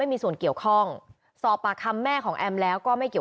รวมถึงเมื่อวานี้ที่บิ๊กโจ๊กพาไปคุยกับแอมท์ท่านสถานหญิงกลาง